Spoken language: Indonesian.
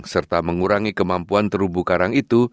serta mengurangi kemampuan terubu karang itu